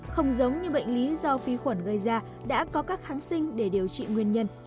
không giống như bệnh lý do vi khuẩn gây ra đã có các kháng sinh để điều trị nguyên nhân